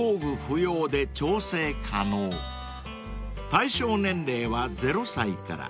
［対象年齢は０歳から］